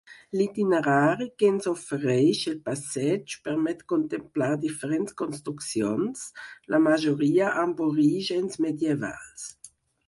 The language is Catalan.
L'itinerari que ens ofereix el passeig permet contemplar diferents construccions, la majoria amb orígens medievals.